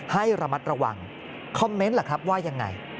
ให้ระมัดระวังคอมเมนต์ล่ะครับว่ายังไง